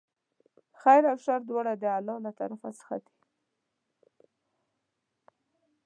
خیر او شر دواړه د الله له طرفه څخه دي.